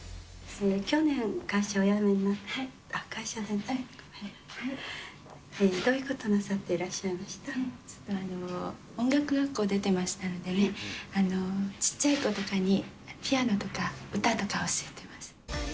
去年、会社をお辞めになって、会社で、どういうことをなさってらっしゃ音楽学校出てましたので、ちっちゃい子とかに、ピアノとか歌とか教えてます。